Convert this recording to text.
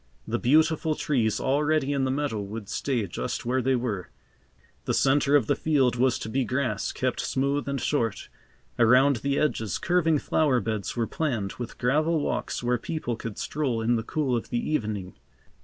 The beautiful trees already in the meadow would stay just where they were. The centre of the field was to be grass, kept smooth and short. Around the edges, curving flower beds were planned, with gravel walks where people could stroll in the cool of the evening.